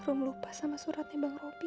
rum lupa sama suratnya bang robi